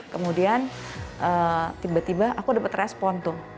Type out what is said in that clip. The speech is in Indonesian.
kemudian tiba tiba aku dapat respon tuh